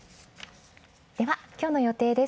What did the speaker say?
ではきょうの予定です。